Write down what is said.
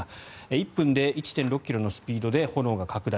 １分で１．６ｋｍのスピードで炎が拡大。